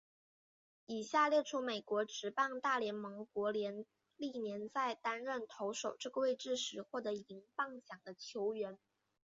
以下列出美国职棒大联盟国联历年在担任投手这个位置时获得银棒奖的球员。